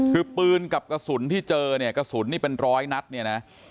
คือปืนกับกระสุนที่เจอเนี่ยกระสุนนี่เป็นร้อยนัดเนี่ยนะ